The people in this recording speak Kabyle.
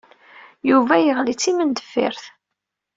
Yuba yeɣli d timendeffirt.